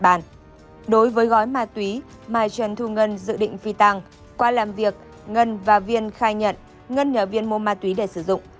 đối với gói ma túy mà trần thu ngân dự định phi tăng qua làm việc ngân và viên khai nhận ngân nhờ viên mua ma túy để sử dụng